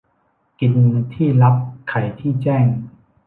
กินที่ลับไขที่แจ้ง